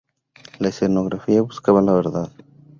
La escenografía buscaba la verdad.